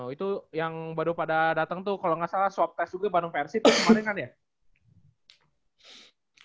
itu yang baru pada dateng tuh kalau gak salah swab test juga baru prc tuh kemarin kan ya